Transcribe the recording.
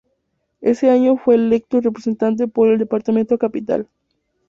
Ese año fue electo representante por el departamento Capital.